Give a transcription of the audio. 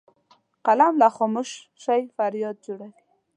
قلم له خاموشۍ فریاد جوړوي